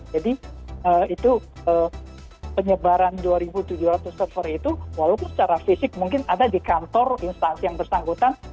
jadi penyebaran dua ribu tujuh ratus server itu walaupun secara fisik mungkin ada di kantor instansi yang bersangkutan